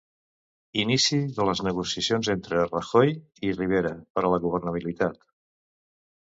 Inici de les negociacions entre Rajoy i Rivera per a la governabilitat.